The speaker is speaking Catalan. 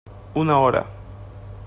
Una hora.